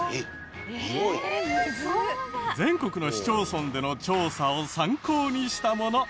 全国の市町村での調査を参考にしたもの。